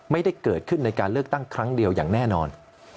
ไม่ได้เกิดขึ้นในการเลือกตั้งครั้งเดียวอย่างแน่นอน